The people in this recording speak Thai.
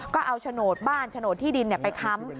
ก็เอาบ้านโฉนดที่ดินไปทำ